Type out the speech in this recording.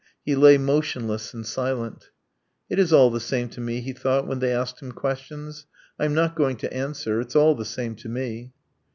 He lay motionless and silent. "It is all the same to me," he thought when they asked him questions. "I am not going to answer. ... It's all the same to me."